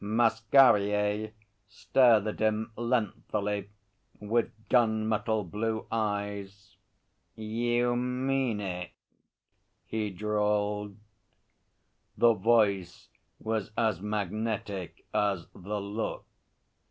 Masquerier stared at him lengthily with gunmetal blue eyes. 'You mean it?' he drawled; the voice was as magnetic as the look.